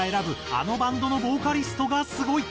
あのバンドのボーカリストがすごい！